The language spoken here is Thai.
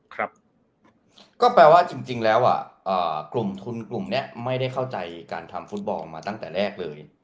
ครับก็แปลว่าจริงแล้วกลุ่มทุนกลุ่มนี้ไม่ได้เข้าใจการทำฟุตบอลมาตั้งแต่แรกเลย